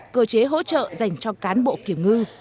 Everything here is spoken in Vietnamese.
cơ chế hỗ trợ dành cho cán bộ kiểm ngư